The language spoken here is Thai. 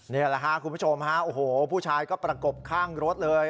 นี่แหละค่ะคุณผู้ชมผู้ชายก็ประกบข้างรถเลย